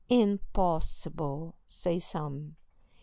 "Impossible!" say some.